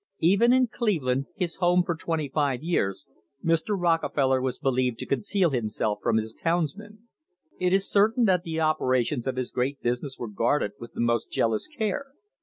Even in Cleveland, his home for twenty five years, Mr. Rockefeller was believed to conceal himself from his towns men. It is certain that the operations of his great business were guarded with the most jealous care.